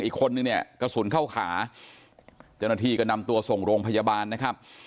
อีกคนนึงเนี่ยกระสุนเข้าขาเจ้าหน้าที่ก็นำตัวส่งโรงพยาบาลนะครับ